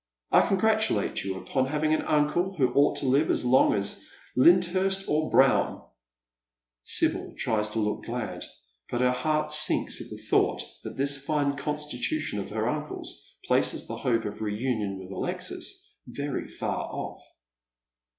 I congratulate you upon having an uncle who ought to live as long as Lyndhurst or Brougham." Sibyl tries to look glad, but her heart sinks at the thought that this fine constitution of her uncle's places the hope of reunion with Alexis very far off.